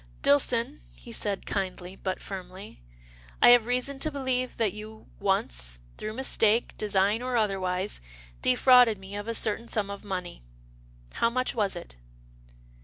" Dillson," he said kindly, but firmly, " I have reason to believe that you once, through mistake, design or otherwise, defrauded me of a certain sum of money. How much was it